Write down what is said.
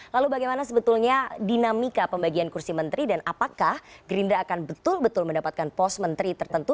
lalu bagaimana sebetulnya dinamika pembagian kursi menteri dan apakah gerindra akan betul betul mendapatkan pos menteri tertentu